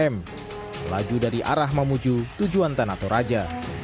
melaju dari arah mamuju tujuan tanah toraja